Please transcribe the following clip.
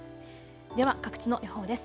では各地の予報です。